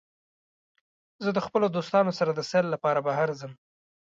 زه د خپلو دوستانو سره د سیل لپاره بهر ځم.